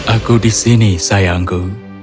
aku di sini sayangku